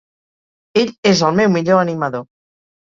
Ell es el meu millor animador.